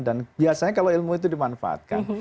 dan biasanya kalau ilmu itu dimanfaatkan